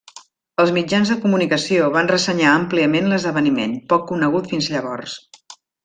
Els mitjans de comunicació van ressenyar àmpliament l'esdeveniment, poc conegut fins llavors.